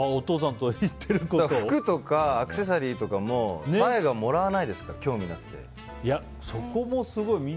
服とか、アクセサリーとかも大我、もらわないですから興味なくて。